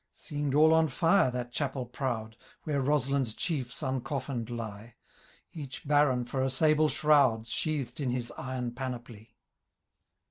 SeemM all on fire that chapel proud. Where Roslin's chieft uncofifin'd lie, Each Baron, for a sable shroud. Sheathed in his iron panoply.